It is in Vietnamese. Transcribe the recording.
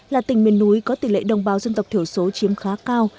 là tỉnh miền núi có tỷ lệ đồng bào dân tộc thiểu số chiếm khá cao